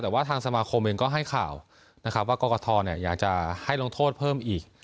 แต่ว่าทางสมาคมเองก็ให้ข่าวนะครับว่ากรกฐอยากจะให้ลงโทษเพิ่มอีก